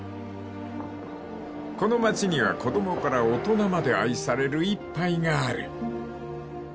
［この町には子供から大人まで愛される一杯がある］